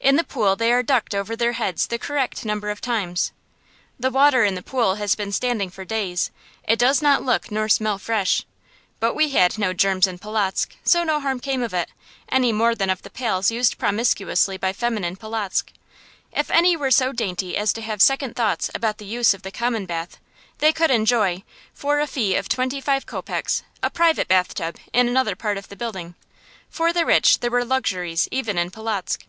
In the pool they are ducked over their heads the correct number of times. The water in the pool has been standing for days; it does not look nor smell fresh. But we had no germs in Polotzk, so no harm came of it, any more than of the pails used promiscuously by feminine Polotzk. If any were so dainty as to have second thoughts about the use of the common bath, they could enjoy, for a fee of twenty five kopecks, a private bathtub in another part of the building. For the rich there were luxuries even in Polotzk.